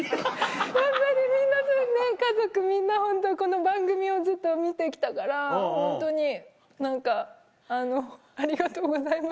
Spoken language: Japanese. ホントにみんな家族みんなホントこの番組をずっと見て来たからホントに何かあのありがとうございます。